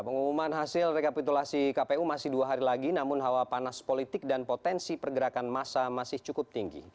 pengumuman hasil rekapitulasi kpu masih dua hari lagi namun hawa panas politik dan potensi pergerakan masa masih cukup tinggi